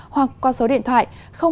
hoặc qua số điện thoại